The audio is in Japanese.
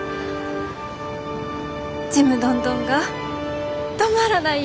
ちむどんどんが止まらないよ。